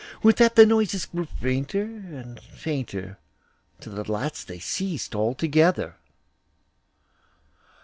With that the noises grew fainter and fainter, till at last they ceased altogether.